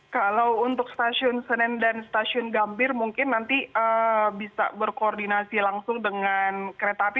kalau untuk stasiun senen dan stasiun gambir mungkin nanti bisa berkoordinasi langsung dengan kereta api